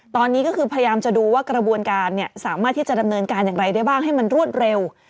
ตอนนี้ก็คือพยายามจะดูว่ากระบวนการสามารถที่จะดำเนินการอย่างไรได้บ้างให้มันรวดเร็ว